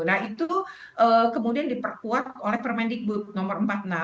nah itu kemudian diperkuat oleh permendikbud nomor empat puluh enam